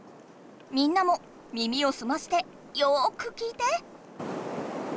みんなも耳をすましてよく聞いて！